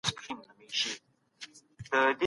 زده کوونکو د عملي کارونو لپاره کافي توکي نه درلودل.